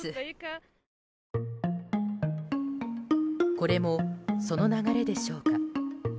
これも、その流れでしょうか。